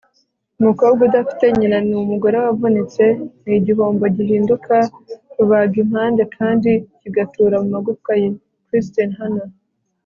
umukobwa udafite nyina ni umugore wavunitse ni igihombo gihinduka rubagimpande kandi kigatura mu magufwa ye - kristin hannah